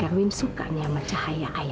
erwin sukanya mencahaya i